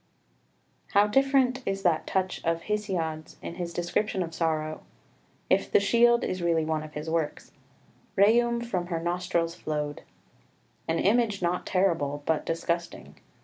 [Footnote 1: Il. iv. 442.] 5 How different is that touch of Hesiod's in his description of sorrow if the Shield is really one of his works: "rheum from her nostrils flowed" an image not terrible, but disgusting.